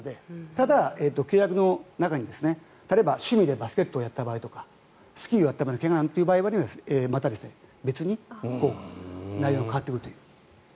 ただ、契約の中に例えば趣味でバスケットをやった場合とかスキーをやった場合の怪我とかはまた別に内容が変わってくる。